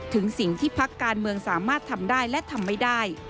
ถึงสิ่งที่พักการเมืองสามารถทำได้และทำไม่ได้